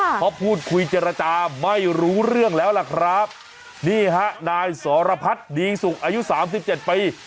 เพราะพูดคุยเจรจาไม่รู้เรื่องแล้วล่ะครับนี่ฮะนายสรพัฒน์ดีสุขอายุสามสิบเจ็ดปี